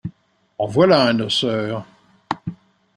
En voilà un noceur !